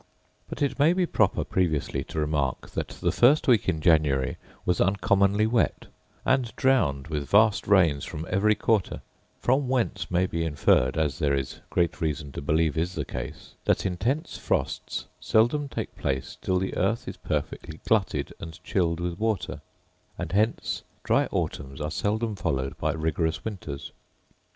But it may be proper previously to remark that the first week in January was uncommonly wet, and drowned with vast rains from every quarter: from whence may be inferred, as there is great reason to believe is the case, that intense frosts seldom take place till the earth is perfectly glutted and chilled with water;* and hence dry autumns are seldom followed by rigorous winters.